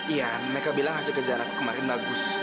iya mereka bilang hasil kejar aku kemarin bagus